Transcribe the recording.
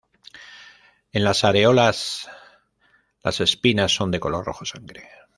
En las areolas las espinas son de color rojo sangre.